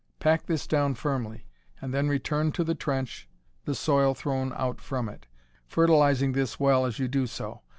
Pack this down firmly, and then return to the trench the soil thrown out from it, fertilizing this well as you do so.